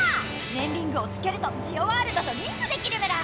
ねんリングをつけるとジオワールドとリンクできるメラ！